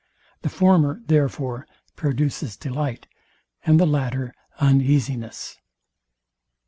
The former, therefore, produces delight; and the latter uneasiness.